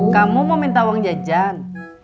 kamu mau minta uang jajan